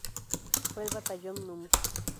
Fue el batallón núm.